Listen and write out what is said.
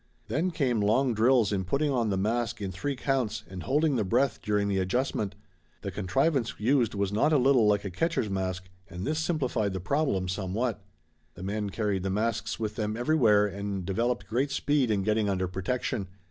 Then came long drills in putting on the mask in three counts and holding the breath during the adjustment. The contrivance used was not a little like a catcher's mask and this simplified the problem somewhat. The men carried the masks with them everywhere and developed great speed in getting under protection.